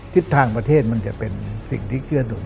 ทิศทางประเทศมันจะเป็นสิ่งที่เกื้อหนุน